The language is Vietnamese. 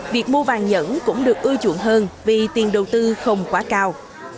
việc mua vàng nhẫn cũng được ưa chuộng hơn vì tiền đầu tư không quá cao